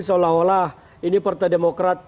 seolah olah ini partai demokrat